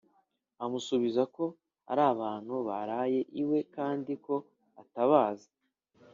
amusubiza ko ari abantu baraye iwe kandi ko atabazi;